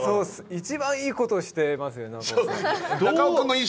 一番いいことをしていますよね。